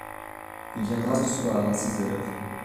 Il viendra ce soir à six heures.